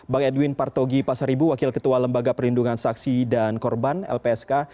bang edwin partogi pasaribu wakil ketua lembaga perlindungan saksi dan korban lpsk